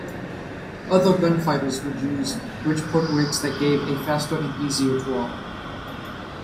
Other gunfighters would use Bridgeport rigs that gave a faster and easier draw.